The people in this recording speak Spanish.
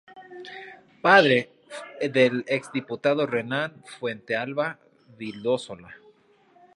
Padre del exdiputado Renán Fuentealba Vildósola.